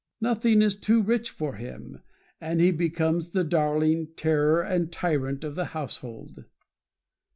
Nothing is too rich for him, and he becomes the darling, terror, and tyrant of the household.